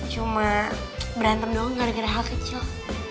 cuma berantem doang gara gara hal kecil